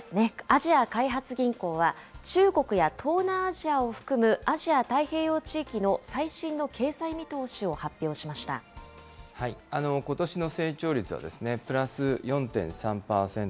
アジア開発銀行は、中国や東南アジアを含むアジア・太平洋地域の最新の経済見通しをことしの成長率はプラス４．３％。